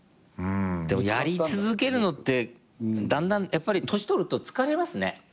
でもやり続けるのってだんだんやっぱり年取ると疲れますね。